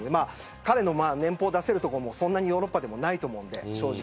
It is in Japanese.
彼の年俸を出せるところも正直ヨーロッパにもないと思うので。